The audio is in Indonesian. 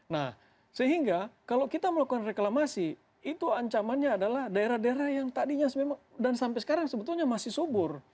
nah sehingga kalau kita melakukan reklamasi itu ancamannya adalah daerah daerah yang tadinya dan sampai sekarang sebetulnya masih subur